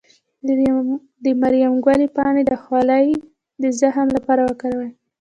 د مریم ګلي پاڼې د خولې د زخم لپاره وکاروئ